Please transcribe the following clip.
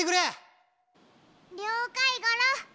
りょうかいゴロ。